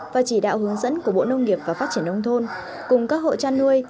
và chỉ đạo hướng dẫn của bộ nông nghiệp và phát triển nông thôn cùng các hộ chăn nuôi